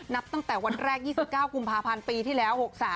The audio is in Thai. นับตั้งแต่วันแรก๒๙กุมภาพันธ์ปีที่แล้ว๖๓